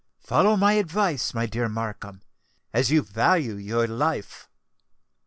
Follow my advice, my dear Markham,—as you value your life!"